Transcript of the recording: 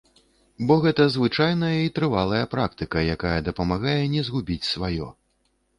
Бо гэта звычайная і трывалая практыка, якая дапамагае не згубіць сваё.